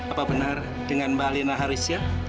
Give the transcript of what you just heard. apa benar dengan mbak lina harisya